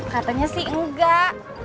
katanya sih enggak